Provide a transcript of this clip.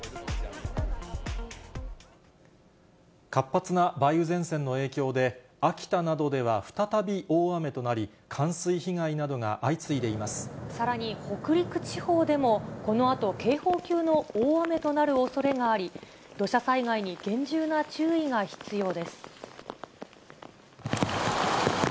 活発な梅雨前線の影響で、秋田などでは再び大雨となり、北陸地方でもこのあと警報級の大雨となるおそれがあり、土砂災害に厳重な注意が必要です。